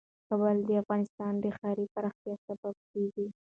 کابل د افغانستان د ښاري پراختیا سبب کېږي.